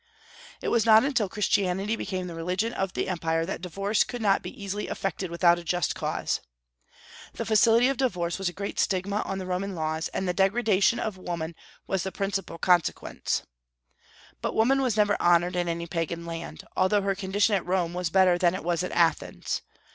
It was not until Christianity became the religion of the empire that divorce could not be easily effected without a just cause. This facility of divorce was a great stigma on the Roman laws, and the degradation of woman was the principal consequence. But woman never was honored in any Pagan land, although her condition at Rome was better than it was at Athens.